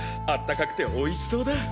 あったかくておいしそうだ！